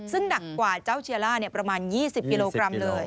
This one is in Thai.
ซึ่งหนักกว่าเจ้าเชียล่าประมาณ๒๐กิโลกรัมเลย